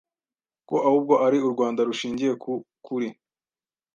ko ahubwo ari u Rwanda rushingiye ku kuri